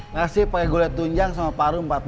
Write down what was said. nasi pakai goreng tunjang sama paru empat ratusan